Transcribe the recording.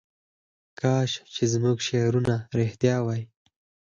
کاش چې زموږ شعرونه رښتیا وای.